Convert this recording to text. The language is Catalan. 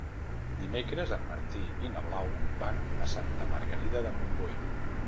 Dimecres en Martí i na Blau van a Santa Margarida de Montbui.